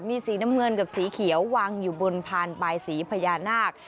มีสีน้ำเงินกับสีเขียววางอยู่บนพานบายสีพญานาค